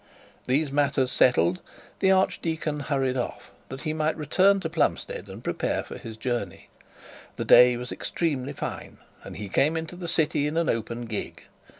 These matters settled, the archdeacon hurried off, that he might return to Plumstead and prepare for his journey. The day was extremely fine, and he came into the city in an open gig.